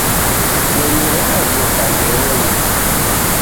Nyonyi radajoka mbeonyi.